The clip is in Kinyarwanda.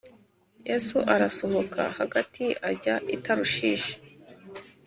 Yesu Abasohoka hagati ajya itarushishi